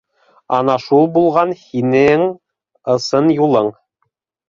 Ана шул булған һинен ысын юлын